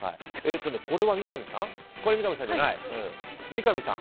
これは三上さん？